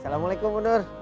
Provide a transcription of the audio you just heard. waalaikumsalam bu nur